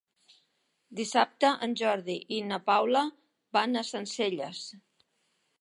Dissabte en Jordi i na Paula van a Sencelles.